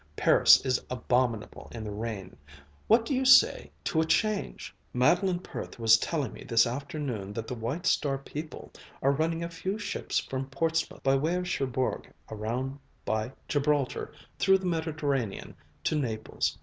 Paris is abominable in the rain. What do you say to a change? Madeleine Perth was telling me this afternoon that the White Star people are running a few ships from Portsmouth by way of Cherbourg around by Gibraltar, through the Mediterranean to Naples.